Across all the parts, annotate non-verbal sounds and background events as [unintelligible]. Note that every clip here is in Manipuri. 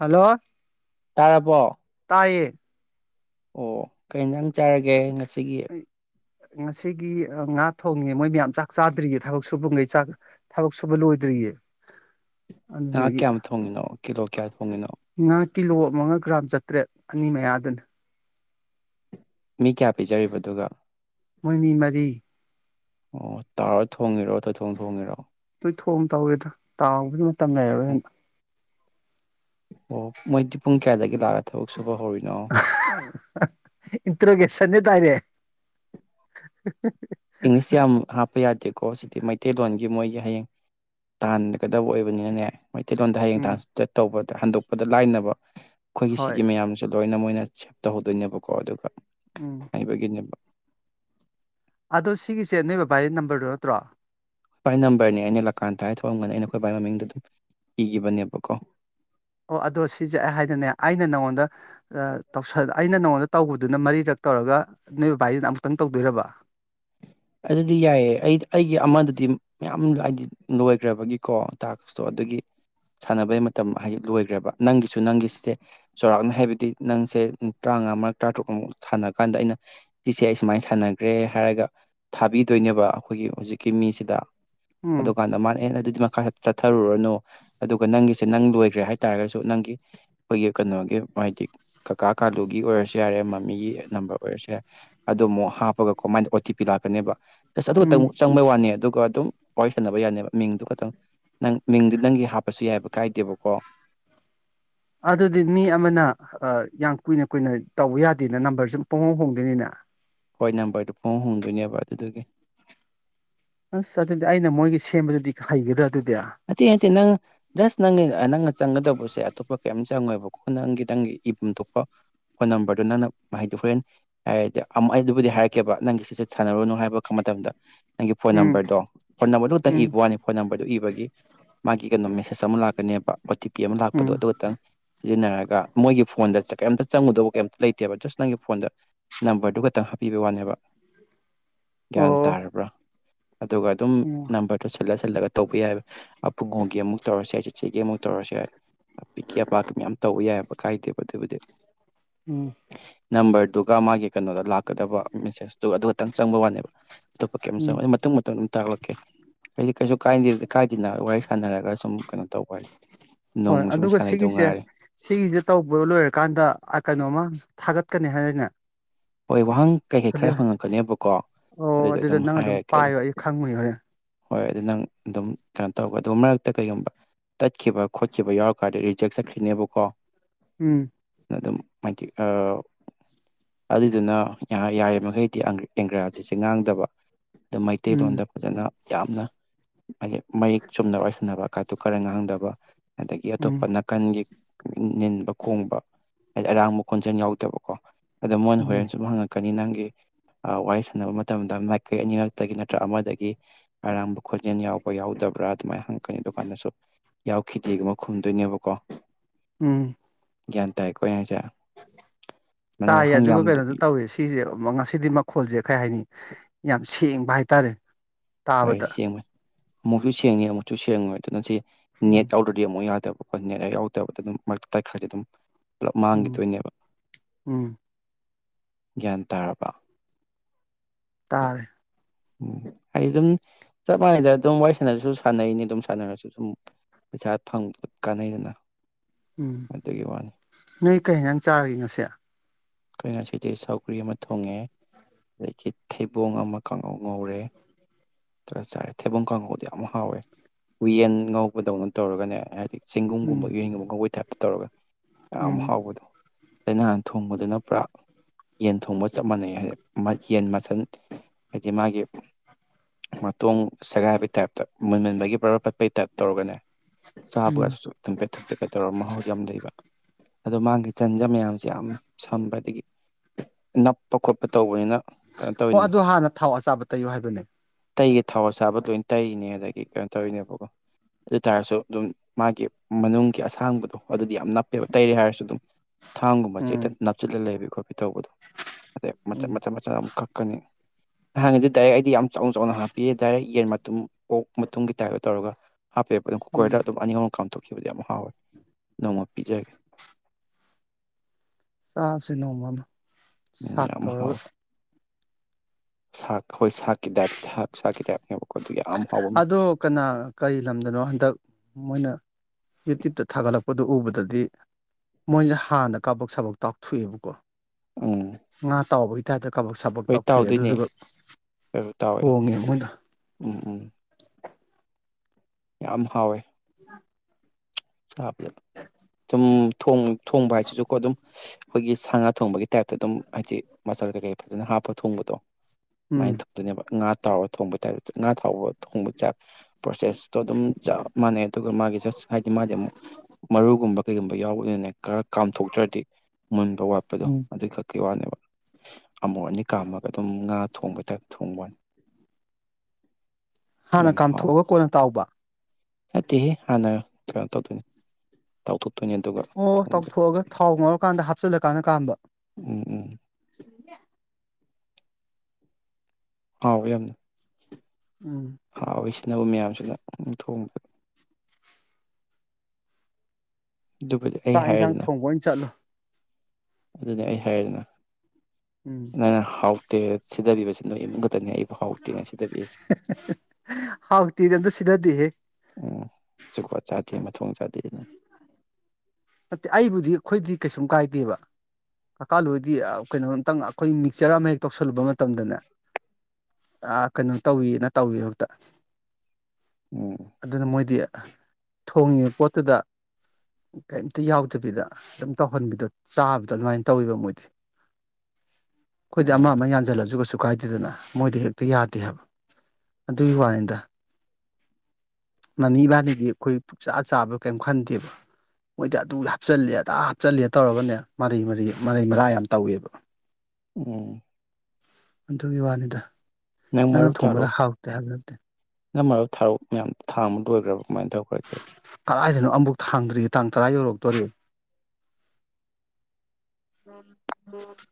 ꯍꯜꯂꯣ ꯇꯥꯔꯕꯣ ꯇꯥꯏꯌꯦ ꯑꯣ ꯀꯩ ꯍꯦꯟꯖꯥꯡ ꯆꯔꯒꯦ ꯉ ꯁꯤꯒꯤ ꯉꯁꯤꯒꯤ ꯉꯥ ꯊꯣꯡꯉꯦ ꯃꯣꯏ ꯃꯌꯥꯝ ꯆꯥꯛ ꯆꯥꯗ꯭ꯔꯤꯌꯦ ꯊꯕꯛ ꯁꯨꯕꯒꯩ ꯆꯥꯛ ꯊꯕꯛ ꯁꯨꯕ ꯂꯣꯏꯗ꯭ꯔꯤꯌꯦ ꯉꯥ ꯑꯗꯨꯗꯨꯒꯤ ꯀꯌꯥꯝ ꯊꯣꯡꯉꯤꯅꯣ ꯀꯤꯂꯣ ꯀꯌꯥ ꯊꯣꯡꯉꯤꯅꯣ ꯉꯥ ꯀꯤꯂꯣ ꯑꯃꯒ ꯒ꯭ꯔꯥꯝ ꯆꯇ꯭ꯔꯦꯠ ꯑꯅꯤ ꯃꯌꯥꯗꯨꯅꯤ ꯃꯤ ꯀꯌꯥ ꯄꯤꯖꯔꯤꯕꯗꯨꯒ ꯃꯣꯏ ꯃꯤ ꯃꯔꯤ ꯑꯣ ꯇꯥꯎꯔ ꯊꯣꯡꯉꯤꯔꯣ ꯇꯣꯏꯊꯣꯡ ꯊꯣꯡꯉꯤꯔꯣ ꯇꯣꯏ ꯊꯣꯡ ꯇꯧꯔꯦꯗ ꯇꯥꯎꯕꯒꯤ ꯃꯇꯝ ꯂꯩꯔꯔꯣꯏꯅ ꯑꯣ ꯃꯣꯏꯗꯤ ꯄꯨꯡ ꯀꯌꯥꯗꯒꯤ ꯂꯥꯛꯑ ꯊꯕꯛ ꯁꯨ ꯑꯑ ꯍꯍ ꯏꯟꯇ꯭ꯔꯣꯒꯦꯁꯟꯅꯦ ꯗꯥꯏꯔꯦꯛ ꯍꯦꯍꯦ ꯏꯪꯂꯤꯁ ꯌꯥꯝ ꯍꯥꯞꯄ ꯌꯥꯗꯦ ꯀꯣꯁꯤ ꯃꯩꯇꯩꯂꯣꯟꯒꯤ ꯃꯣꯏꯒꯤ ꯍꯌꯦꯡ ꯇꯥꯟꯒꯗꯕ ꯑꯣꯏꯕꯅꯤꯅꯅꯦ ꯃꯩꯇꯩꯂꯣꯟꯗ ꯍꯌꯦꯡ ꯎꯝ ꯗꯥꯟꯁ ꯇꯦꯠ ꯇꯧꯕ ꯍꯟꯗꯣꯛꯄꯗ ꯂꯥꯏꯅꯕ ꯑꯩꯈꯣꯏꯒꯤ ꯍꯣꯏ ꯁꯤꯒꯤ ꯃꯌꯥꯝꯁꯦ ꯂꯣ ꯂꯣꯏꯅ ꯃꯣꯏꯅ ꯁꯦꯞ ꯇꯧꯍꯧꯗꯣꯏꯅꯦꯕꯀꯣ ꯑꯗꯨꯒ ꯎꯝ ꯑꯩꯕꯒꯤꯅꯦꯕ ꯑꯗꯣ ꯁꯤꯒꯤꯁꯦ ꯅꯣꯏ ꯕꯕꯥꯒꯤ ꯅꯝꯕꯔꯗꯣ ꯅꯠꯇ꯭ꯔꯣ ꯑꯩꯈꯣꯏ ꯚꯥꯏ ꯅꯝꯕꯔꯅꯦ ꯅꯤꯂꯀꯥꯟꯇ ꯍꯥꯏ ꯊꯣꯛꯑꯝꯒꯅꯤ ꯑꯩꯅ ꯑꯩꯈꯣꯏꯕꯥꯥꯏ ꯃꯃꯤꯡꯗ ꯑꯗꯨꯝ ꯏꯈꯤꯕꯅꯦꯕꯀꯣ ꯑꯣ ꯑꯗꯣ ꯁꯤꯁꯦ ꯑꯩ ꯍꯥꯏꯅꯅꯦ ꯑꯩꯅ ꯅꯪꯉꯣꯟꯗ ꯇꯧꯁꯟ ꯑꯩꯅ ꯅꯪꯉꯣꯟꯗ ꯇꯧꯕꯗꯨꯅ ꯃꯔꯤꯔꯛ ꯇꯧꯔꯒ ꯅꯣꯏ ꯕꯥꯕꯒꯤꯗꯅ ꯑꯃꯨꯛꯇꯪ ꯇꯧꯗꯣꯏꯔꯕ ꯑꯗꯨꯗꯤ ꯌꯥꯏꯑꯦ ꯑꯩ ꯑꯩꯒꯤ ꯑꯃꯗꯗꯤ ꯃꯌꯥꯝ ꯍꯥꯏꯗꯤ ꯂꯣꯏꯈ꯭ꯔꯕꯒꯤꯀꯣ ꯇꯥꯛꯁꯇꯣ ꯑꯗꯨꯒꯤ ꯁꯥꯟꯅꯕꯩ ꯃꯇꯝ ꯍꯥꯏꯗꯤ ꯂꯣꯏꯈ꯭ꯔꯦꯕ ꯅꯪꯒꯤꯁꯨ ꯅꯪꯒꯤ ꯁꯤꯁꯦ ꯆꯥꯎꯔꯥꯛꯅ ꯍꯥꯏꯕꯗꯤ ꯅꯪꯁꯦ ꯇꯔꯥꯃꯉꯥ ꯃꯛ ꯇꯔꯥꯇꯔꯨꯛꯃꯨꯛ ꯁꯥꯟꯅ ꯀꯥꯟꯗ ꯑꯩꯅ ꯁꯤꯁꯦ ꯑꯩ ꯁꯨꯃꯥꯏꯅ ꯁꯥꯟꯅꯈ꯭ꯔꯦ ꯍꯥꯏꯔꯒ ꯊꯥꯕꯤꯗꯣꯏꯅꯦꯕ ꯑꯩꯈꯣꯏꯒꯤ ꯍꯧꯖꯤꯛꯀꯤ ꯃꯤꯁꯤꯗ ꯎꯝ ꯑꯗꯨ ꯀꯥꯟꯗ ꯃꯥꯅ ꯑꯦ ꯑꯗꯨꯗꯤ ꯆꯠꯊꯔꯨꯔꯅꯨ ꯑꯗꯨꯒ ꯅꯪꯒꯤꯁꯦ ꯅꯪ ꯂꯣꯏꯈ꯭ꯔꯦ ꯍꯥꯏꯇꯥꯔꯒꯁꯨ ꯅꯪꯒꯤ ꯑꯩꯈꯣꯏꯒꯤ ꯀꯩꯅꯣꯒꯤ ꯍꯥꯏꯗꯤ ꯀꯀꯥ ꯀꯥꯂꯨꯒꯤ ꯑꯣꯏꯔꯁꯨ ꯌꯥꯔꯦ ꯃꯃꯤꯒꯤ ꯅꯝꯕꯔ ꯑꯣꯏꯔꯁꯨ ꯌꯥꯔꯦ ꯑꯗꯨ ꯑꯃꯨꯛ ꯍꯥꯞꯄꯒꯀꯣ ꯃꯥꯗꯤ ꯑꯣ ꯇꯤ ꯄꯤ ꯂꯥꯛꯀꯅꯤꯕ ꯖꯁ ꯎꯝ ꯑꯗꯨꯛꯇꯪ ꯆꯪꯕꯩ ꯋꯥꯅꯤ ꯑꯗꯨ ꯀꯣ ꯑꯗꯨꯝ ꯋꯥꯔꯤ ꯁꯥꯟꯅꯕ ꯌꯥꯅꯦꯕ ꯃꯤꯡꯗꯨ ꯈꯛꯇꯪ ꯅꯪ ꯃꯤꯡꯗꯨ ꯅꯪꯒꯤ ꯍꯥꯞꯄꯁꯨ ꯌꯥꯏꯕ ꯀꯥꯏꯗꯦꯕꯀꯣ ꯑꯗꯨꯗꯤ ꯃꯤ ꯑꯃꯅ ꯑ ꯌꯥꯝ ꯀꯨꯏꯅ ꯀꯨꯏꯅ ꯇꯧꯕ ꯌꯥꯗꯦꯅ ꯅꯝꯕꯔꯁꯨ ꯄꯨꯡꯍꯣꯡ ꯍꯣꯡꯗꯣꯏꯅꯤꯅꯦ ꯍꯣꯏ ꯅꯝꯕꯔꯗꯨ ꯄꯨꯡ ꯍꯣꯡ ꯍꯣꯡꯗꯣꯏꯅꯦꯕ ꯑꯗꯨꯗꯨꯒꯤ ꯑꯁ ꯑꯗꯨꯗꯤ ꯑꯩꯅ ꯃꯣꯏꯒꯤ ꯁꯦꯝꯕꯗꯨꯗꯤ ꯍꯩꯒꯗ꯭ꯔ ꯅꯠꯇꯦ ꯅꯠꯇꯦ ꯅꯪ ꯖꯁ ꯅꯪꯒꯤ ꯅꯪꯅ ꯆꯪꯒꯗꯧꯕꯁꯦ ꯑꯇꯣꯞꯄ ꯀꯩꯝ ꯆꯪꯉꯣꯏꯕꯀꯣ ꯅꯪꯒꯤ ꯅꯪꯒꯤ ꯏꯐꯝ ꯊꯣꯛꯄ ꯐꯣꯟ ꯅꯝꯕꯔꯗꯨ ꯅꯪꯅ [unintelligible] ꯍꯥꯏꯗꯤ ꯑꯃꯨꯛ ꯑꯩ ꯍꯥꯏꯔꯛꯀꯦꯕ ꯅꯪꯒꯤ ꯁꯤꯠꯁꯦ ꯁꯥꯟꯅꯔꯨꯅꯨ ꯍꯥꯏꯕ ꯃꯇꯝꯗ ꯅꯪꯒꯤ ꯐꯣꯟ ꯎꯝ ꯅꯝꯕꯔꯗꯣ ꯐꯣꯟ ꯅꯝꯕꯔꯗꯨ ꯈꯛꯇꯪ ꯏꯕ ꯎꯝ ꯋꯥꯅꯤ ꯐꯣꯟ ꯅꯝꯕ ꯑꯗꯨ ꯏꯕꯒꯤ꯫ ꯃꯥꯒꯤ ꯀꯩꯅꯣ ꯃꯦꯁꯦꯁ ꯑꯃ ꯂꯥꯛꯀꯅꯦꯕ ꯑꯣ ꯇꯤ ꯄꯤ ꯑꯃ ꯂꯥꯛꯄꯗꯣ ꯎꯝ ꯑꯗꯨ ꯈꯛꯇꯪ ꯁꯤꯖꯤꯟꯅꯔꯒ ꯃꯣꯏꯒꯤ ꯐꯣꯟꯗ ꯀꯩꯝꯇ ꯆꯪꯉꯨꯗꯧꯕ ꯀꯩꯝꯇ ꯂꯩꯇꯦꯕ ꯖꯁ ꯅꯪꯒꯤ ꯐꯣꯟꯗ ꯅꯝꯕꯔꯗꯨ ꯈꯛꯇꯪ ꯍꯥꯞꯄꯤꯕ ꯋꯥꯅꯦꯕ꯫ ꯒ꯭ꯌꯥꯟ ꯑꯣ ꯇꯥꯔꯕ꯭ꯔꯥ꯫ ꯑꯗꯨꯒ ꯑꯗꯨꯝ ꯎꯝ ꯅꯝꯕꯔꯗꯨ ꯁꯝ ꯂꯁꯜꯂꯒ ꯇꯧꯕ ꯌꯥꯏꯌꯦꯕ꯫ ꯑꯄꯨꯉꯣꯒꯤ ꯑꯃꯨꯛ ꯇꯧꯔꯁꯦ ꯆꯤꯆꯦꯒꯤ ꯑꯃꯨꯛ ꯇꯧꯔꯁꯦ ꯑꯄꯤꯛꯀꯤ ꯑꯄꯥꯛꯀꯤ ꯃꯌꯥꯝ ꯇꯧꯕ ꯌꯥꯏꯑꯕ ꯀꯥꯏꯗꯦꯕ ꯑꯗꯨꯕꯨꯗꯤ꯫ ꯎꯝ꯫ ꯅꯝꯕꯔꯗꯨꯒ ꯃꯥꯒꯤ ꯀꯩꯅꯣꯗ ꯂꯥꯛꯀꯗꯕ ꯃꯦꯁꯦꯁꯇꯨꯒ ꯑꯗꯨ ꯈꯛꯇꯪ ꯆꯪꯕ ꯋꯥꯅꯦꯕ꯫ ꯑꯇꯣꯞꯄ ꯀꯩꯝ ꯑꯃ ꯎꯝ ꯆꯪꯉꯣꯏ ꯑꯩ ꯃꯊꯪ ꯃꯊꯪ ꯑꯗꯨꯝ ꯇꯥꯛꯂꯛꯀꯦ ꯍꯥꯏꯗꯤ ꯀꯩꯁꯨ ꯀꯥꯏꯗꯦꯗ ꯍꯣꯏ ꯅꯣꯡ ꯁꯨꯝ ꯑꯗꯨꯒ ꯁꯥꯟꯅꯩꯗꯧ ꯁꯤꯒꯤꯁꯦ ꯉꯥꯏꯔꯦ ꯁꯤꯒꯤꯁꯦ ꯇꯧꯕ ꯂꯣꯏꯔꯀꯥꯟꯗ ꯀꯩꯅꯣꯝꯃ ꯊꯥꯒꯠꯀꯅꯤ ꯍꯥꯏꯔꯩꯅꯦ꯫ ꯍꯣꯏ ꯋꯥꯍꯪ ꯀꯩꯀꯩ ꯈꯔ ꯍꯧꯖꯤꯛ ꯍꯪꯉꯛꯀꯅꯦꯕꯀꯣ ꯑꯣ ꯑꯗꯨꯗ ꯅꯪ ꯑꯗꯨꯝ ꯄꯥꯏꯌꯣ ꯑꯩ ꯈꯪꯉꯣꯢꯌꯦ ꯍꯣꯔꯦꯟ꯫ ꯍꯣꯏ ꯑꯗꯨ ꯅꯪ ꯑꯗꯨꯝ ꯀꯩꯅꯣ ꯇꯧꯕ ꯑꯗꯨ ꯃꯔꯛꯇ ꯀꯩꯒꯨꯝꯕ ꯇꯠꯈꯤꯕ ꯈꯣꯠꯈꯤꯕ ꯌꯥꯎꯔꯀꯗꯤ ꯔꯤꯖꯦꯛ ꯆꯠꯈ꯭ꯔꯤꯅꯦꯕꯀꯣ ꯎꯝ꯫ ꯑꯗꯨꯝ ꯍꯥꯏꯗꯤ ꯑꯥ ꯑꯗꯨꯗꯨꯅ ꯌꯥꯔꯤꯃꯈꯩꯗꯤ ꯏꯪꯒ꯭ꯔꯥꯖꯤꯁꯦ ꯉꯥꯡꯗꯕ꯫ ꯎꯝ ꯃꯩꯇꯩꯂꯣꯟꯗ ꯐꯖꯅ ꯍꯥꯏꯗꯤ ꯃꯔꯤꯛ ꯆꯨꯝꯅ ꯋꯥꯔꯤ ꯁꯥꯟꯅꯕ ꯀꯥꯇꯨꯛ ꯀꯥꯔꯟ ꯉꯥꯡꯗꯕ꯫ ꯑꯗꯒꯤ ꯑꯇꯣꯞꯄ ꯎꯝ ꯅꯥꯀꯟꯒꯤ ꯅꯤꯟꯕ ꯈꯣꯡꯕ ꯍꯥꯏꯗꯤ ꯑꯔꯥꯡꯕ ꯈꯣꯟꯖꯦꯜ ꯌꯥꯎꯗꯕꯀꯣ꯫ ꯑꯗꯣ ꯃꯣꯏꯅ ꯎꯝ ꯍꯣꯔꯦꯟ ꯁꯨꯝ ꯍꯪꯉꯛꯀꯅꯤ ꯅꯪ ꯑꯦ ꯑꯥ ꯋꯥꯔꯤ ꯁꯥꯟꯅꯕ ꯃꯇꯝꯗ ꯃꯥꯏꯀꯩ ꯑꯅꯤꯃꯛꯇꯒꯤ ꯅꯠꯇ꯭ꯔꯒ ꯑꯃꯗꯒꯤ ꯑꯔꯥꯡꯕ ꯈꯣꯠꯆꯦꯜ ꯌꯥꯎꯕ ꯌꯥꯎꯗꯕ꯭ꯔꯥ ꯑꯗꯨꯃꯥꯏꯅ ꯍꯪꯉꯛꯀꯅꯤ ꯑꯗꯨꯀꯥꯟꯗꯁꯨ ꯌꯥꯎꯈꯤꯗꯦ ꯒꯨꯝꯕ ꯈꯨꯝꯗꯣꯏꯅꯦꯕꯀꯣ꯫ ꯎꯝ꯫ ꯒ꯭ꯌꯥꯟ ꯇꯥꯔꯀꯣ ꯑꯩ ꯍꯥꯏꯖꯦ꯫ ꯇꯥꯏꯌꯦ ꯑꯗꯨꯒ ꯌꯥꯝ ꯀꯩꯅꯣꯁꯨ ꯇꯧꯋꯦ ꯁꯤꯁꯦ ꯉꯁꯤꯗꯤ ꯃꯈꯣꯜꯁꯦ ꯀꯩ ꯍꯥꯏꯅꯤ ꯌꯥꯝ ꯁꯦꯡꯕ ꯍꯥꯏꯇꯔꯦ ꯍꯣꯏ ꯁꯦꯡꯕꯅꯤ꯫ ꯑꯃꯨꯛꯁꯨ ꯁꯦꯡꯉꯤ ꯑꯃꯨꯛꯁꯨ ꯁꯦꯡꯉꯣꯏ ꯑꯗꯨꯅ ꯁꯤ ꯅꯦꯠ ꯎꯝ ꯌꯥꯎꯗ꯭ꯔꯗꯤ ꯛꯃꯨꯛ ꯖꯥꯗꯕ꯫ ꯑꯩꯈꯣꯏ ꯅꯦꯠ ꯍꯦꯛ ꯌꯥꯎꯗꯕꯗ ꯑꯗꯨꯝ ꯃꯔꯛꯇ ꯇꯥꯏꯈ꯭ꯔꯗꯤ ꯑꯗꯨꯝ ꯄꯨꯂꯞ ꯎꯝ ꯃꯥꯡꯒꯤꯗꯣꯏꯅꯦꯕ꯫ ꯎꯝ ꯒ꯭ꯌꯥꯟ ꯇꯥꯔꯕ ꯇꯥꯔꯦ ꯎꯝ ꯍꯥꯏꯗꯤ ꯑꯗꯨꯝ ꯆꯞ ꯃꯥꯟꯅꯩꯗ ꯑꯗꯨꯝ ꯋꯥꯔꯤ ꯁꯥꯟꯅꯔꯁꯨ ꯁꯥꯟꯅꯩꯅꯤ ꯑꯗꯨꯝ ꯁꯥꯟꯅꯔꯁꯨ ꯑꯗꯨꯝ ꯄꯩꯁꯥ ꯐꯪ ꯀꯥꯟꯅꯩꯗꯅ ꯎꯝ ꯑꯗꯨꯒꯤ ꯋꯥꯅꯤ ꯅꯣꯏ ꯀꯔꯤ [unintelligible] ꯆꯥꯔꯒꯦ ꯉꯁꯤ ꯑꯈꯣꯏ ꯉꯁꯤꯗꯤ ꯁꯧꯒ꯭ꯔꯤ ꯑꯃ ꯊꯣꯡꯉꯦ ꯑꯗꯒꯤ ꯊꯩꯕꯣꯡ ꯑꯃ ꯀꯥꯉꯧ ꯉꯧꯔꯦ ꯆꯥꯔꯦ ꯊꯩꯕꯨꯡ ꯀꯥꯡꯍꯧꯗꯤ ꯌꯥꯝ ꯍꯥꯎꯋꯦ ꯎꯌꯦꯟ ꯉꯧꯕꯗꯧꯅ ꯇꯧꯔꯒꯅꯦ ꯍꯥꯏꯗꯤ ꯎꯝ ꯆꯦꯡꯒꯨꯝꯒꯨꯝꯕ ꯎꯌꯦꯟꯒꯨꯝꯕꯩ [unintelligible] ꯇꯧꯔꯒ ꯌꯥꯝ ꯎꯝ ꯍꯥꯎꯕꯗꯣ ꯑꯩ ꯅꯍꯥꯟ ꯊꯣꯡꯕꯗꯨꯅ ꯄꯨꯔꯥ ꯌꯦꯟ ꯊꯣꯡꯕ ꯆꯞ ꯃꯥꯟꯅꯩ ꯍꯥꯏꯗꯤ ꯌꯦꯟ ꯃꯁꯜ ꯍꯥꯏꯗꯤ ꯃꯥꯒꯤ ꯃꯇꯣꯡ ꯁꯦꯒꯥꯏꯕꯩ ꯇꯥꯏꯞꯇ ꯃꯨꯟꯃꯟꯕꯒꯤ ꯕ꯭ꯔꯕꯔ ꯄꯠꯄꯩ ꯇꯥꯏꯞ ꯇꯧꯔꯒꯅꯦ ꯎꯝ ꯆꯥꯕꯒꯁꯨ ꯊꯨꯝꯄꯦꯠ ꯊꯨꯝꯄꯦꯠꯀ ꯇꯧꯔꯒ ꯃꯍꯥꯎ ꯌꯥꯝ ꯂꯩꯕ ꯑꯗꯣ ꯃꯥꯒꯤ ꯆꯟꯖ ꯃꯌꯥꯝꯁꯦ ꯌꯥꯝ ꯁꯝꯕ ꯑꯗꯒꯤ ꯅꯞꯄ ꯈꯣꯠꯄ ꯇꯧꯕꯅꯤꯅ ꯀꯩꯅꯣ ꯍꯣ ꯇꯧꯋꯤꯗꯅ ꯑꯗꯨ ꯍꯥꯟꯅ ꯊꯥꯎ ꯑꯆꯥꯕ ꯇꯩꯌꯨ ꯍꯥꯏꯕꯅꯦ ꯇꯩꯒꯦ ꯊꯥꯎ ꯑꯆꯥꯕ ꯂꯣꯏꯅ ꯇꯩꯔꯤꯅꯦ ꯑꯗꯒꯤ ꯀꯩꯅꯣ ꯇꯧꯔꯤꯅꯦꯕꯀꯣ ꯑꯗꯨꯇꯥꯔꯁꯨ ꯑꯗꯨꯝ ꯃꯥꯒꯤ ꯃꯅꯨꯡꯒꯤ ꯑꯁꯥꯡꯕꯗꯣ ꯑꯗꯨꯗꯤ ꯌꯥꯝ ꯅꯞꯄꯦꯕ ꯇꯩꯔꯦ ꯍꯥꯏꯔꯁꯨ ꯑꯗꯨꯝ ꯊꯥꯡꯒꯨꯝꯕꯁꯦ ꯍꯦꯛꯇ ꯎꯝ ꯅꯞꯆꯤꯜꯂ ꯂꯩꯕ ꯍꯣꯏ ꯇꯧꯕꯗꯣ ꯑꯗꯩ ꯃꯆꯠ ꯎꯝ ꯃꯆꯠ ꯃꯆꯠ ꯑꯃ ꯀꯛꯀꯅꯤ [unintelligible] [unintelligible] ꯌꯥꯝ ꯆꯥꯎꯅ ꯆꯥꯎꯅ ꯍꯥꯞꯄꯤ ꯗꯥꯏꯔꯦꯛ ꯌꯦꯟ ꯃꯇꯨꯝ ꯑꯣꯛ ꯃꯇꯨꯝꯒꯤ ꯇꯥꯏꯞꯇ ꯇꯧꯔꯒ ꯍꯥꯞꯄꯦꯕ ꯎꯝ ꯑꯗꯨꯝ [unintelligible] ꯑꯗꯨꯝ ꯑꯅꯤꯍꯨꯝ ꯀꯥꯝꯊꯣꯛꯈꯤꯕꯗ ꯌꯥꯝ ꯍꯥꯎꯋꯦ ꯅꯣꯡꯃ ꯄꯤꯖꯒꯦ ꯆꯥꯁꯤ ꯅꯣꯡꯃ ꯑꯃ ꯎꯝ ꯁꯥꯥꯛ ꯌꯥꯝ ꯍꯥꯎꯋꯦ ꯇꯧꯔꯒ ꯁꯥꯛ ꯍꯣꯏ ꯁꯥꯛꯀꯤ [unintelligible] ꯍꯥꯎꯕ ꯑꯗꯣ ꯀꯅꯥ ꯀꯔꯤ ꯂꯝꯗꯅꯣ ꯍꯟꯗꯛ ꯃꯣꯏꯅ ꯌꯨꯇ꯭ꯌꯨꯕꯇ ꯊꯥꯒꯠꯂꯛꯄ ꯑꯗꯨ ꯎꯕꯗꯗꯤ ꯃꯣꯏꯁꯦ ꯍꯥꯟꯅ ꯀꯥꯕꯛ ꯁꯥꯕꯛ ꯇꯥꯛꯊꯣꯛꯑꯦꯕꯀꯣ ꯎꯝ ꯉꯥ ꯇꯥꯎꯕꯩ [unintelligible] ꯀꯥꯕꯛ ꯁꯥꯕꯛ ꯍꯣꯏ ꯇꯧꯊꯣꯛꯑꯦ ꯇꯥꯎꯗꯣꯏꯅꯦ ꯑꯗꯨꯗꯨꯒ ꯀꯩꯅꯣ ꯇꯥꯎꯋꯦ ꯍꯣꯡꯉꯦ ꯃꯣꯏꯅ ꯎꯝ ꯎꯝ ꯌꯥꯝ ꯍꯥꯎꯋꯦ [unintelligible] ꯁꯨꯝ ꯊꯣꯡ ꯊꯣꯡꯕ ꯍꯥꯏꯁꯤꯁꯨꯀꯣ ꯑꯗꯨꯝ ꯑꯈꯣꯏꯒꯤ ꯁꯥꯅꯥ ꯊꯣꯡꯕꯒꯤ ꯇꯥꯏꯞꯇ ꯑꯗꯨꯝ ꯍꯥꯏꯗꯤ ꯃꯆꯜ ꯀꯩꯀꯩ ꯐꯖꯅ ꯍꯥꯞ ꯄꯣꯊꯣꯡꯕꯗꯣ ꯎꯝ ꯁꯨꯃꯥꯏꯅ ꯊꯛꯇꯣꯏꯅꯦꯕ ꯉꯥ ꯇꯥꯎꯔ ꯊꯣꯡꯕꯩ ꯇꯥ꯭ꯏꯞꯇ ꯉꯥ ꯇꯥꯎꯕ ꯊꯣꯡꯕ ꯆꯥꯛ ꯄ꯭ꯔꯣꯁꯦꯁ ꯇ ꯑꯗꯨꯝ ꯆꯞ ꯃꯥꯟꯅꯩ ꯑꯗꯨꯒ ꯃꯥꯒꯤ ꯖꯁ ꯍꯥꯏꯗꯤ ꯃꯥꯨꯗꯤ ꯑꯃꯨꯛ ꯃꯔꯨꯒꯨꯝꯕ ꯀꯩꯒꯨꯝꯕ ꯌꯥꯎꯕꯅꯤꯅꯅꯦ ꯈꯔ ꯀꯥꯝꯊꯣꯛꯇ꯭ꯔꯗꯤ ꯃꯨꯟꯕ ꯋꯥꯠꯄꯗꯣ ꯎꯝ ꯑꯗꯨꯏ ꯈꯛꯀꯤ ꯋꯥꯅꯦꯕ ꯑꯃꯨꯔꯛ ꯑꯅꯤꯔꯛ ꯀꯥꯝꯃ ꯑꯗꯨꯝ ꯉꯥ ꯊꯣꯡꯕꯩ ꯇꯥꯏꯞꯇ ꯊꯣꯡꯕꯩ ꯋꯥꯅꯤ [inaudible] ꯍꯥꯟꯅ ꯌꯥꯝ ꯀꯥꯝꯊꯣꯛ ꯍꯥꯎꯋꯤ ꯑꯒ ꯀꯣꯟꯅ ꯇꯥꯎꯕ ꯅꯠꯇꯦꯍꯦ ꯍꯥꯟꯅ ꯀꯩꯅꯣ ꯇꯧꯗꯣꯏꯅꯤ ꯇꯥꯎꯊꯣꯛ ꯑꯣ ꯇꯧꯊꯣꯛꯑꯒ ꯊꯥꯎ ꯉꯧꯔꯀꯥꯟꯗ ꯍꯥꯞ ꯆꯜꯂꯀꯥꯟꯗ ꯀꯥꯝꯕ ꯎꯝ ꯎꯝ [unintelligible] ꯍꯥꯎꯋꯦ ꯌꯥꯝꯅ ꯎꯝ ꯍꯥꯎꯋꯦ ꯁꯤꯅꯕꯨ ꯃꯌꯥꯝꯁꯤꯅ ꯊꯣꯡ ꯑꯗꯨꯕꯨꯗꯤ ꯆꯥꯛ ꯌꯦꯟꯁꯥꯡ ꯊꯣꯡꯕ ꯑꯣꯏꯅ ꯆꯠꯂꯨ ꯑꯗꯨꯗꯤ ꯑꯩ ꯍꯥꯏꯔꯦꯅ ꯎꯝ ꯅ ꯍꯥꯎ [unintelligible] ꯅꯤ ꯑꯩꯕꯨ ꯍꯥꯎꯗꯦꯅꯦ ꯁꯤꯗꯕꯤꯁꯦ ꯍꯥꯎꯇꯦꯗꯤ ꯑꯝꯇ ꯁꯤꯗꯗꯦꯍꯦ ꯎꯝ ꯆꯥꯛꯀ ꯆꯥꯗꯦ ꯈꯨꯊꯣꯡ ꯆꯥꯗꯦꯅ ꯅꯠꯇꯦ ꯑꯩꯕꯨꯗꯤ ꯑꯩꯈꯣꯏꯗꯤ ꯀꯩꯁꯨꯝ ꯀꯥꯏꯗꯦꯕ ꯀꯀꯥ ꯂꯣꯏꯗꯤ ꯀꯩꯅꯣ ꯑꯝꯇꯪ ꯑꯩꯈꯣꯏ ꯃꯤꯛꯆꯔ ꯑꯃ ꯍꯦꯛ ꯇꯧꯁꯜꯂꯨꯕ ꯃꯇꯝꯗꯅꯦ ꯀꯩꯅꯣ ꯇꯧꯋꯦꯅ ꯇꯧꯋꯤ ꯍꯦꯛꯇ ꯎꯝ ꯑꯗꯨꯅ ꯃꯣꯏꯗꯤ ꯊꯣꯡꯉꯤꯕ ꯄꯣꯠꯇꯨꯗ ꯀꯩꯝꯇ ꯌꯥꯎꯗꯕꯤꯗ ꯑꯗꯨꯝ ꯇꯧꯍꯟꯕꯤꯗꯣ ꯆꯥꯕꯗꯣ ꯑꯗꯨꯃꯥꯏꯅ ꯇꯧꯋꯦꯕ ꯃꯣꯏꯗꯤ ꯑꯩꯈꯣꯏꯗꯤ ꯑꯃ ꯎꯝ ꯑꯃ ꯌꯥꯟꯁꯤꯜꯂꯁꯨ ꯀꯩꯁꯨ ꯀꯥꯏꯗꯦꯗꯅ ꯃꯣꯏꯗꯤ ꯍꯦꯛꯇ ꯌꯥꯗꯦ ꯍꯥꯏꯕ ꯑꯗꯨꯒꯤ ꯋꯥꯅꯤꯗ ꯉꯥꯅꯤ ꯏꯕꯥꯅꯤꯒꯤ ꯑꯩꯈꯣꯏ ꯄꯨꯛꯆꯥ ꯆꯥꯕ ꯀꯔꯤꯝ ꯈꯟꯗꯦꯕ ꯃꯣꯏꯗꯤ ꯑꯗꯨ ꯍꯥꯞꯆꯜꯂꯦ ꯑꯗꯥ ꯍꯥꯞꯆꯜꯂꯦ ꯇꯧꯔꯒꯅꯦ ꯃꯔꯩ ꯃꯔꯩ ꯃꯔꯩ ꯃꯔꯥ ꯌꯥꯝ ꯇꯧꯋꯦꯕ ꯑꯣ ꯑꯗꯨꯒꯤ ꯋꯥꯅꯤꯗ ꯅꯪꯅ ꯃꯔꯨꯞ ꯊꯥꯔꯛ ꯊꯣꯡꯕꯅ ꯍꯥꯎꯇꯦ ꯍꯥꯏꯕ ꯅꯠꯇꯦ ꯅꯪ ꯃꯔꯨꯞ ꯊꯥꯔꯛ ꯃꯌꯥꯝꯗ ꯀꯗꯥꯥꯏꯗꯅꯣ ꯑꯃꯨꯛ ꯍꯥꯡꯗ꯭ꯔꯤ ꯇꯥꯡ ꯇꯔꯥ ꯌꯧꯔ [unintelligible] ꯎꯝ ꯎꯝ [unintelligible]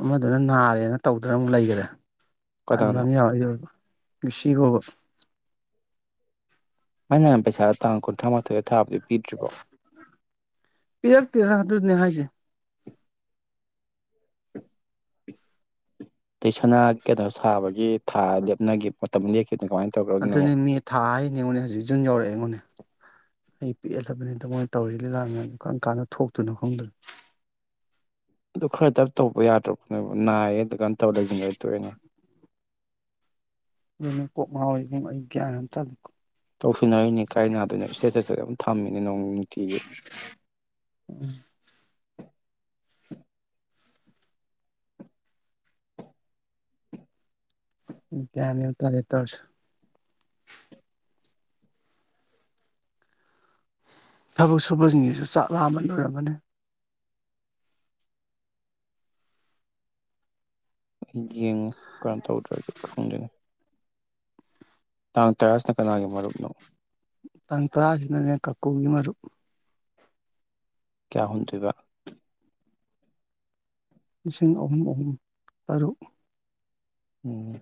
ꯑꯃꯗꯨꯅ ꯅꯥꯔꯦꯅ ꯇꯧꯗꯅ ꯑꯃꯨꯛ ꯂꯩꯈꯔꯦ ꯇꯟꯕ ꯀꯅꯥꯅꯣ ꯑꯃ ꯌꯥꯎ ꯑꯩꯗꯨ [unintelligible] ꯀꯁꯤ ꯍꯣꯕ ꯃꯌꯥ ꯅꯥꯎꯟ ꯄꯩꯁꯥ ꯊꯥꯡ ꯀꯨꯟ꯭ꯔꯃꯊꯣꯏ ꯊꯕꯗꯨ ꯄꯤꯔꯛꯇꯦꯗ ꯑꯗꯨꯅꯦ ꯍꯥꯏꯁꯦ [inaudible] ꯇꯩꯁꯅꯥ ꯀꯩꯅꯣ ꯁꯥꯕꯒꯤ ꯊꯥ ꯂꯦꯞꯅꯈꯤ ꯃꯇꯝ [unintelligible] ꯇꯧꯈ꯭ꯔꯕ ꯑꯗꯨꯅ ꯑꯃꯨꯛ ꯑꯗꯨꯅꯦ ꯃꯦ ꯊꯥ ꯍꯥꯏꯅꯤꯉꯣꯟꯅꯦ ꯍꯧꯖꯤꯛ ꯖꯨꯟ ꯌꯧꯔꯛꯑꯦ ꯑꯩꯉꯣꯅꯦ ꯑꯩ ꯄꯤꯛꯍꯜꯂꯕꯅꯤ ꯇꯥꯃꯣꯏꯅ ꯇꯧꯔꯤ ꯂꯤ ꯂꯥꯡꯉ ꯀꯥꯟ ꯀꯥꯟꯅ ꯊꯣꯛꯇꯨꯅꯣ ꯈꯪꯗꯔ꯭ꯦ ꯑꯗꯨ ꯈꯔꯗ ꯇꯧꯕ ꯌꯥꯗ꯭ꯔꯣ ꯅꯥꯏꯌꯦ ꯑꯗꯨ ꯂꯩꯖꯤꯅꯒꯔ꯭ꯗꯤ ꯇꯣꯛ ꯅꯦ ꯑꯗꯨ ꯀꯣꯛ ꯃꯍꯥꯎꯣꯏꯒꯨꯝ ꯑꯩ ꯒ꯭ꯌꯥꯟ ꯑꯝ ꯇꯗꯔ꯭ꯦ ꯇꯧꯁꯤꯟꯅꯔꯤꯅꯤ ꯀꯥꯏꯅ ꯑꯗꯨꯅ ꯏꯁꯇꯦꯆꯠꯆꯗ ꯑꯗꯨꯝ ꯊꯝꯃꯤꯅꯦ ꯅꯣꯡ ꯅꯨꯡꯇꯤꯒꯤ ꯒꯌ꯭ꯥꯟ ꯃꯦꯟ ꯇꯥꯗꯔꯦ ꯇꯧꯔꯤꯁꯤ ꯊꯕꯛ ꯁꯨꯕꯁꯤꯡꯁꯤꯁꯨ ꯆꯥꯛ ꯂꯥꯛꯑꯃꯟ ꯂꯣꯏꯔꯝꯃꯅꯤ ꯌꯦꯉꯣ ꯀ ꯇꯧꯗ꯭ꯔꯗꯤ [unintelligible] ꯈ ꯇꯥꯡ ꯇꯔꯥꯁꯤꯅ ꯀꯅꯥꯒꯤ ꯃꯔꯨꯞꯅꯣ ꯇ ꯇ꯭ꯔꯁꯤꯅꯅꯦ ꯀꯀꯨꯒꯤ ꯃꯔꯄ ꯀꯌꯥ ꯍꯣꯟꯗꯣꯏꯕ ꯂꯤꯁꯤꯡ ꯑꯍꯨꯝ ꯑꯍꯨꯝ ꯇꯔꯨꯛ ꯎꯝ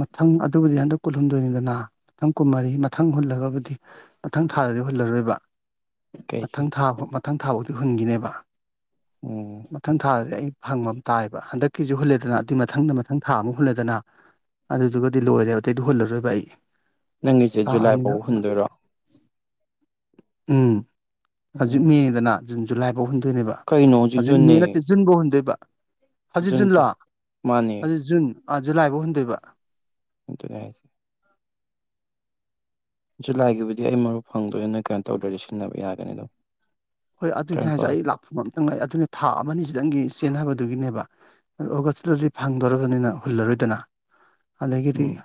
ꯃꯊꯪ ꯑꯗꯨꯕꯨꯗꯤ ꯍꯟꯗꯛ ꯀꯨꯜꯍꯨꯟꯗꯣꯏꯅꯤꯗꯅ ꯃꯊꯪ ꯀꯨꯝꯃꯔꯤ ꯃꯊꯪ ꯍꯨꯜꯂꯒꯕꯨꯗꯤ ꯃꯊꯪ ꯊꯥꯗꯗꯤ ꯍꯨꯜꯂꯔꯣꯏꯕ ꯀꯩ ꯀꯩ ꯃꯊꯪ ꯊꯥ ꯃꯊꯪ ꯊꯥ ꯇꯨꯍꯟꯒꯤꯅꯦꯕ ꯎꯝ ꯃꯊꯪ ꯊꯥꯗꯗꯤ ꯑꯩ ꯍꯪꯕ ꯑꯃ ꯇꯥꯏꯑꯕ ꯍꯟꯗꯛꯀꯤꯁꯨ ꯍꯨꯜꯂꯦꯗꯅ ꯑꯗꯨꯏ ꯃꯊꯪꯗ ꯃꯊꯪ ꯊꯥ ꯑꯃ ꯍꯨꯜꯂꯦꯗꯅ ꯑꯗꯨꯗꯨꯒꯗꯤ ꯂꯣꯏꯔꯦ ꯑꯇꯩꯗꯤ ꯍꯨꯜꯂꯨꯣꯏꯕ ꯑꯩ ꯅꯪꯒꯤꯁꯦ ꯊꯥ ꯖꯨꯂꯥꯏ ꯑꯅꯤꯗ ꯐꯥꯎ ꯍꯨꯟꯗꯣꯏꯔ ꯎꯝ ꯍꯧꯖꯤꯛ ꯎꯝ ꯃꯦꯗꯅ ꯖꯨꯅ ꯖꯂꯥꯏ ꯧ ꯍꯨꯟꯗꯣꯏꯅꯦꯕ ꯀꯩꯅꯣ ꯍꯧꯖꯤꯛ ꯃꯦ ꯖꯨꯟꯅꯦ ꯅꯠꯇꯦ ꯖꯨꯟꯐꯧ ꯍꯨꯟꯗꯣꯏꯕ ꯍꯥꯖꯤꯠ ꯖꯨꯟ ꯖꯟ ꯂꯣ ꯐꯥꯎ ꯃꯥꯅꯦ ꯍꯧꯖꯤꯛ ꯖꯨꯟ ꯑꯥ ꯖꯨꯂꯥꯏꯐꯥꯎ ꯍꯨꯟꯗꯣꯏꯕ [unintelligible] ꯍꯥꯏꯁꯦ ꯖꯨꯂꯥꯏ ꯒꯤꯕꯨꯗꯤ ꯑꯩ ꯃꯔꯨꯞ ꯐꯪꯗꯣꯏ ꯅꯣꯏ ꯀꯩꯅꯣ ꯇꯧꯗꯔ꯭ ꯗꯤ ꯁꯤꯟꯅꯕ ꯌꯥꯒꯅꯤ ꯑꯗꯨꯝ ꯍꯣꯏ ꯑꯗꯨꯅꯦ ꯍꯥꯏꯖꯦ ꯇꯔꯥꯅꯤꯄꯥꯜ ꯑꯩ ꯂꯥꯛꯐꯝ ꯑꯝꯇꯪ ꯂꯩ ꯑꯗꯨꯅꯤ ꯊꯥ ꯑꯃ ꯑꯅꯤꯁꯤꯗꯪꯒꯤ ꯁꯤ ꯆꯦꯟꯅꯕꯗꯨꯒꯤꯅꯦꯕ ꯑꯗꯨ ꯑꯣꯒꯁꯇꯨꯗꯗꯤ ꯐꯪꯗꯣꯔꯕꯅꯤꯅ ꯍꯨꯜꯂꯔꯣꯏꯗꯅ ꯑꯗꯒꯤꯗꯤ ꯎꯝ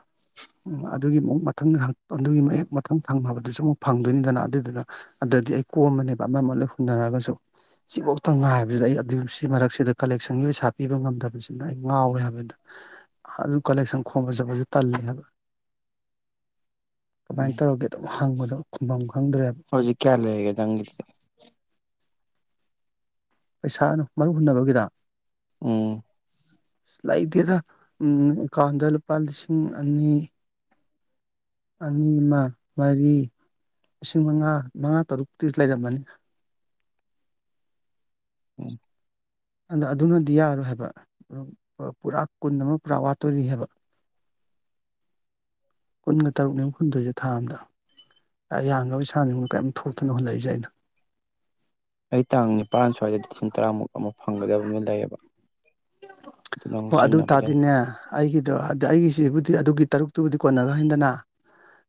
ꯎꯝ ꯑꯗꯨꯒꯤ ꯑꯃꯨꯛ ꯃꯊꯪ [unintelligible] ꯑꯗꯨꯒꯤ ꯑꯃꯨꯛ ꯍꯦꯛ ꯃꯊꯪ ꯊꯪꯅꯕꯗꯨꯁꯨ ꯑꯃꯨꯛ ꯐꯪꯗꯣꯏꯅꯤꯗꯅ ꯑꯗꯨꯗꯨꯅ ꯑꯗꯗꯤ ꯑꯩ ꯀꯣꯝꯃꯅꯦꯕ ꯑꯃ ꯑꯃ ꯂꯣꯏ ꯍꯨꯟꯅꯔꯒꯖꯨ ꯁꯤꯕꯧꯇꯪ ꯉꯥꯏꯕꯖꯤꯗ ꯑꯩ ꯑꯗꯨ ꯁꯤ ꯃꯔꯛꯁꯤꯗ ꯀꯂꯦꯛꯁꯟꯒꯤ ꯄꯩꯁꯥ ꯄꯤꯕ ꯉꯝꯗꯕꯖꯤꯅ ꯑꯩ ꯉꯥꯎꯔꯦ ꯍꯥꯏꯕꯅꯤꯗ ꯑꯗꯨ ꯀꯂꯦꯛꯁꯟ ꯈꯣꯝꯕ ꯆꯠꯄꯖꯨ ꯇꯜꯂꯤ ꯍꯥꯏꯕ ꯎꯝ ꯀꯃꯥꯏꯅ ꯇꯧꯔꯒꯦ ꯑꯗꯨꯝ ꯍꯪꯕꯗ [unintelligible] ꯈꯨꯝꯕꯝ ꯍꯧꯖꯤꯛ ꯀꯌꯥ ꯂꯩ ꯍꯦꯒꯗꯪꯗꯤ ꯄꯩꯁꯥꯅꯨ ꯃꯔꯨ ꯍꯨꯟꯅꯕꯒꯤꯔ ꯎꯝ ꯂꯩꯇꯦꯗ ꯎꯝ ꯑꯀꯥꯎꯗ ꯂꯨꯄꯥ ꯂꯤꯁꯤꯡ ꯑꯅꯤ ꯑꯅꯤ ꯑꯃ ꯃꯔꯤ ꯂꯤꯁꯤꯡ ꯃꯉꯥ ꯃꯉꯥ ꯇꯔꯨꯛꯇꯤ ꯂꯩꯔꯝꯃꯅꯤ [unintelligible] ꯑꯗ ꯑꯗꯨꯅꯗꯤ ꯌꯥꯔꯣꯏ ꯍꯥꯏꯕ ꯄꯨꯔꯥ ꯀꯨꯟ ꯑꯃ ꯄꯨꯔꯥ ꯋꯥꯠꯇꯣꯔꯤ ꯍꯥꯏꯕ ꯀꯨꯟꯒ ꯇꯔꯨꯛꯅꯦꯕ ꯍꯨꯟꯗꯣꯏꯖꯦ ꯊꯥ ꯑꯝꯗ ꯌꯥꯝꯒ꯭ꯔꯕ ꯏꯁꯥ ꯅꯦ ꯀꯦꯝ ꯊꯣꯛꯇꯅ ꯍꯨꯜꯂꯛꯏꯖꯦ ꯑꯩꯅ ꯑꯩ ꯇꯥꯡ ꯅꯤꯄꯥꯟ ꯁ꯭ꯋꯥꯏꯗ ꯂꯤꯁꯤꯡ ꯇꯔꯥꯃꯨꯛ ꯑꯃꯨꯛ ꯐꯪꯒꯗꯕ ꯑꯃ ꯂꯩꯌꯦꯕ ꯑꯗꯨꯅꯪ ꯍꯣꯏ ꯑꯗꯨ ꯁꯤꯟꯅꯕꯗ ꯇꯥꯔꯗꯤꯅꯦ ꯑꯩꯒꯤꯗꯣ ꯑꯗ ꯑꯩꯒꯤꯖꯤꯕꯨꯗꯤ ꯑꯗꯨꯒꯤ ꯇꯔꯨꯛꯇꯨꯕꯨꯗꯤ ꯀꯣꯟꯅꯒ꯭ꯔꯅꯤꯗꯅ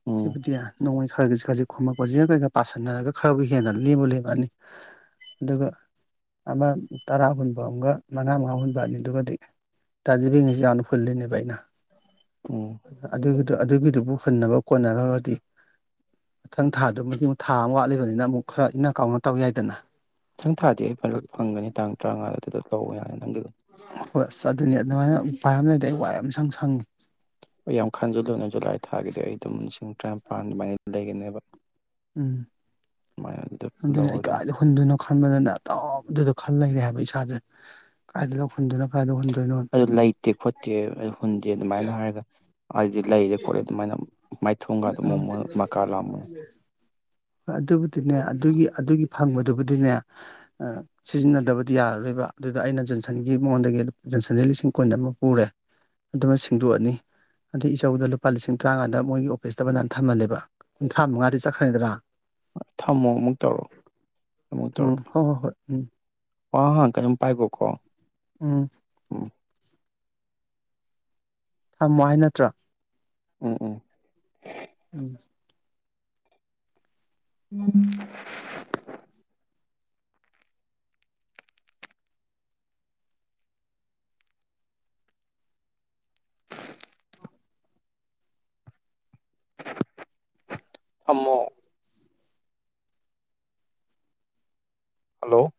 ꯎꯝ ꯁꯤꯕꯨꯗꯤ ꯅꯣꯡꯉꯣꯏ ꯈꯔꯖꯤꯛ ꯈꯔꯖꯤꯛ ꯈꯣꯝꯃꯛꯄꯁꯤꯒ ꯀꯩꯒ ꯄꯥꯁꯟꯅꯔꯒ ꯈꯔꯕꯨ ꯍꯦꯟꯅ ꯂꯦꯝꯕꯨ ꯂꯦꯝꯃꯅꯤ ꯑꯗꯨꯒ ꯑꯃ ꯇꯔꯥ ꯍꯨꯟꯕ ꯑꯝꯒ ꯃꯉꯥ ꯃꯉꯥ ꯍꯨꯟꯕ ꯑꯅꯤ ꯑꯗꯨꯒꯗꯤ ꯇꯥꯖꯕꯤꯒꯤꯁꯨ ꯌꯥꯝꯅ ꯍꯨꯜꯂꯤꯅꯦꯕ ꯑꯩꯅ ꯎꯝ ꯑꯗꯨ ꯑꯗꯨ ꯑꯗꯨꯒꯤꯗꯨꯕꯨ ꯍꯨꯟꯅꯕ ꯀꯣꯟꯅꯒꯒꯗꯤ ꯃꯊꯪ ꯊꯥꯗꯨꯃꯗꯤ ꯑꯃꯛ ꯊꯥ ꯑꯃ ꯋꯥꯠꯂꯤꯕꯅꯤꯅ ꯑꯃꯨꯛ ꯈꯔ ꯏꯟꯅꯥ ꯀꯥꯎꯅ ꯇꯧ ꯌꯥꯏꯗꯅ ꯊꯪ ꯊꯥꯗꯤ ꯑꯩ ꯃꯔꯨꯛ ꯐꯪꯒꯅꯤ ꯇꯥꯡ ꯇꯔꯥꯉꯥꯗꯨꯗ ꯂꯧꯑꯣ ꯌꯥꯅꯤ [unintelligible] ꯍꯣꯏ ꯑꯁ ꯑꯗꯨꯅꯤ ꯑꯗꯨꯃꯥꯏꯅ ꯎꯄꯥꯏ ꯑꯝ ꯂꯩꯗꯤ ꯑꯩ ꯋꯥꯏ ꯑꯃ ꯁꯪ ꯁꯪꯉꯦ ꯑꯩ ꯌꯥꯝ ꯇ꯭ꯔꯥꯝꯄꯥꯟ ꯑꯗꯨꯃꯥꯏ ꯂꯩꯒꯅꯤꯕ ꯎꯝ ꯑꯗꯨꯗ ꯑꯗꯨꯅꯦ ꯂꯧꯔꯣ ꯑꯩ ꯑꯗꯨꯝ ꯀꯥꯏꯗ ꯍꯨꯟꯗꯣꯏꯅꯣ ꯈꯟꯕꯗꯅ ꯑꯗꯨꯝ ꯗꯨꯗ ꯈꯜ ꯂꯩꯔꯦ ꯍꯥꯏꯕ ꯏꯁꯥꯖꯦ ꯀꯥꯏꯗꯩꯅꯣ ꯍꯨꯟꯗꯣꯏꯅꯣ ꯀꯥꯏꯗ ꯍꯨꯟ ꯑꯗꯨ ꯂꯩꯇꯦ ꯈꯣꯠꯇꯦ [unintelligible] ꯍꯨꯟꯖꯦ ꯑꯗꯨꯃꯥꯏꯅ ꯍꯥꯏꯔꯒ ꯍꯥꯏꯗꯤ ꯂꯩꯔꯦ ꯈꯣꯠꯂꯦ ꯑꯗꯨꯃꯥꯏꯅ ꯃꯥꯏꯊꯣꯡꯒꯗꯣ ꯎꯝ ꯃꯣꯃꯣꯟ ꯃꯀꯥ ꯂꯥꯝꯃꯣ ꯑꯗꯨꯕꯨꯗꯤꯅꯦ ꯑꯗꯨꯒꯤ ꯑꯗꯨꯒꯤ ꯐꯪꯕꯗꯨꯕꯨꯗꯤꯅꯦ ꯑ ꯁꯤꯖꯤꯟꯅꯗꯕꯗꯤ ꯌꯥꯔꯔꯣꯏꯕ ꯑꯗꯨꯗ ꯑꯩꯅ ꯖꯣꯟꯁꯟꯒꯤ ꯃꯉꯣꯟꯗꯒꯤ ꯖꯣꯟꯁꯟꯗꯩꯩ ꯂꯤꯁꯤꯡ ꯀꯨꯟ ꯑꯃ ꯄꯨꯔꯦ ꯑꯗꯨꯃ ꯁꯤꯡꯗꯣꯛꯑꯅꯤ ꯑꯗꯩ ꯏꯆꯧꯗ ꯂꯨꯄꯥ ꯂꯤꯁꯤꯡ ꯇꯔꯥꯉꯥꯗ ꯃꯣꯏꯒꯤ [inaudible] ꯕꯟꯗꯥꯟ ꯊꯝꯕꯅꯦꯕ [inaudible] ꯆꯠꯈ꯭ꯔꯦꯗꯅ ꯊꯝꯃꯣ ꯑꯃꯨꯛ ꯇꯧꯔꯛꯑꯣ ꯑꯃꯨꯛ ꯎꯝ ꯇꯧꯔꯛꯀꯦ ꯍꯣꯏ ꯍꯣꯏ ꯍꯣꯏ ꯎꯝ ꯋꯥ [inaudible] ꯄꯥꯏꯒꯣꯀꯣ ꯎꯝ ꯎꯝ ꯊꯝꯃꯣ ꯍꯥꯏ ꯅꯠꯇ꯭ꯔꯥ ꯎꯝ ꯎꯝ ꯎꯝ ꯎꯝ ꯊꯝꯃꯣ ꯍꯜꯂꯣ